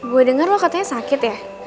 gue denger lo katanya sakit ya